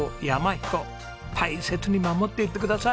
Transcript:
ひこ大切に守っていってください。